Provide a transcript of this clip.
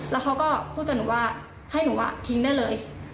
แล้วเขาก็พูดกับหนูว่าให้หนูทิ้งได้เลย